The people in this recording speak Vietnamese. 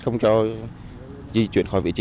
không cho di chuyển khỏi vị trí